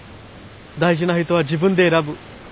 大事な人は自分で選ぶ。